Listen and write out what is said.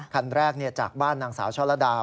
คันแรกจากบ้านนางสาวช่อละดา